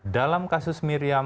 dalam kasus miriam